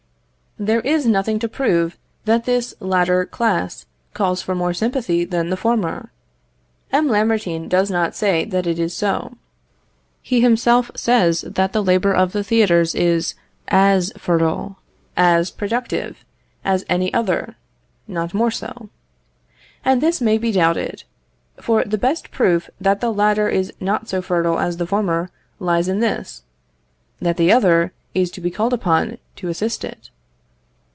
There is nothing to prove that this latter class calls for more sympathy than the former. M. Lamartine does not say that it is so. He himself says that the labour of the theatres is as fertile, as productive as any other (not more so); and this may be doubted; for the best proof that the latter is not so fertile as the former lies in this, that the other is to be called upon to assist it.